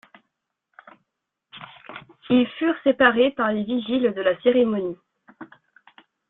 Ils furent séparés par les vigiles de la cérémonie.